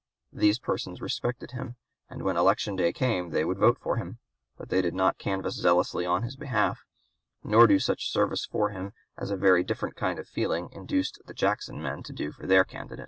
These persons respected him, and when election day came they would vote for him; but they did not canvass zealously in his behalf, nor do such service for him as a very different kind of feeling induced the Jackson men to do for their candidate.